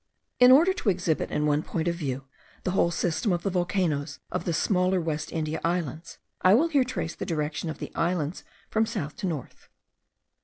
In order to exhibit in one point of view the whole system of the volcanoes of the smaller West India Islands, I will here trace the direction of the islands from south to north.